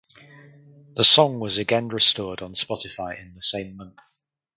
The song was again restored on Spotify in the same month.